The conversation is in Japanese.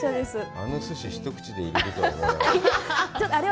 あのすし、一口で入れるとは。